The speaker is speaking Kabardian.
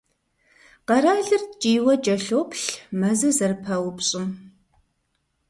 Къэралыр ткӀийуэ кӀэлъоплъ мэзыр зэрыпаупщӀым.